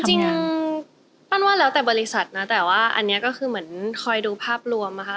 จริงปั้นว่าแล้วแต่บริษัทนะแต่ว่าอันนี้ก็คือเหมือนคอยดูภาพรวมนะคะ